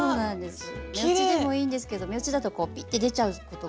目打ちでもいいんですけど目打ちだとピッて出ちゃうことが。